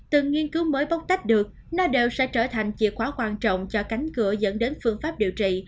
từ nghiên cứu mới bóc tách được nó đều sẽ trở thành chìa khóa quan trọng cho cánh cửa dẫn đến phương pháp điều trị